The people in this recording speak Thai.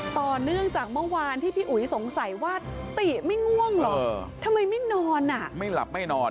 ต่อเนื่องจากเมื่อวานที่พี่อุ๋ยสงสัยว่าติไม่ง่วงเหรอทำไมไม่นอนอ่ะไม่หลับไม่นอน